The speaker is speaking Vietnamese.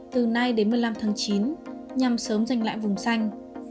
từ nay đến một mươi năm tháng chín nhằm sớm giành lại vùng xanh